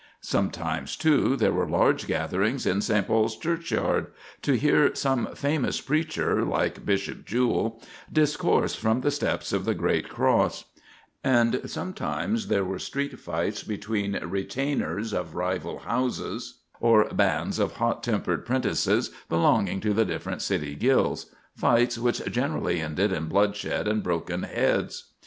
Sometimes, too, there were large gatherings in St. Paul's churchyard to hear some famous preacher—like Bishop Jewell—discourse from the steps of the great cross; and sometimes there were street fights between retainers of rival houses, or bands of hot tempered 'prentices belonging to the different city guilds—fights which generally ended in bloodshed and broken heads.